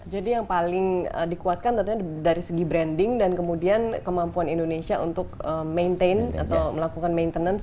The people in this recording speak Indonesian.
jadi yang paling dikuatkan tentunya dari segi branding dan kemudian kemampuan indonesia untuk maintain atau melakukan maintenance